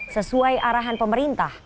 sesuai arahan pemerintah